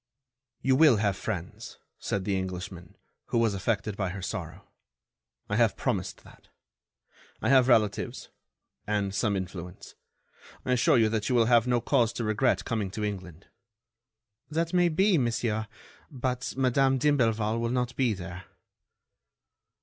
"You will have friends," said the Englishman, who was affected by her sorrow. "I have promised that. I have relatives ... and some influence. I assure you that you will have no cause to regret coming to England." "That may be, monsieur, but Madame d'Imblevalle will not be there."